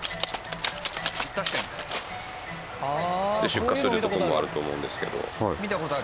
出荷するところもあると思うんですけど。